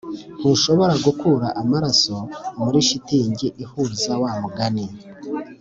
ntushobora gukura amaraso muri shitingi ihuza wa mugani